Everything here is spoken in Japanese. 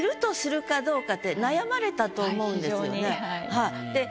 はい。